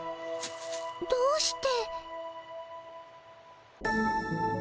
どうして？